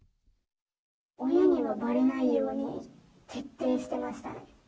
親にもばれないように徹底してましたね。